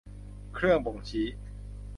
เครื่องบ่งชี้